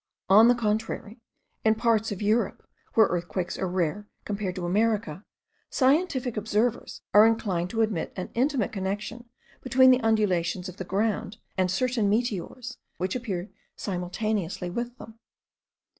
On the contrary, in parts of Europe where earthquakes are rare compared to America, scientific observers are inclined to admit an intimate connection between the undulations of the ground, and certain meteors, which appear simultaneously with them.